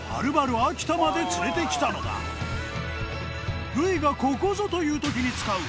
秋田まで連れてきたのだ礇襯いここぞという時に使う丱ぅ